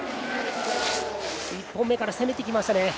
１本目から攻めてきました。